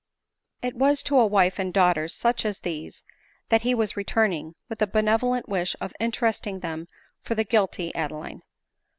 It was to a wife and daughters such as these that he was returning, with the benevolent wish of interesting them for the guilty Adeline.